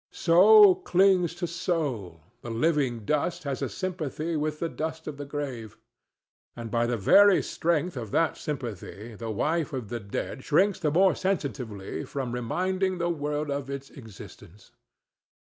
Soul clings to soul, the living dust has a sympathy with the dust of the grave; and by the very strength of that sympathy the wife of the dead shrinks the more sensitively from reminding the world of its existence.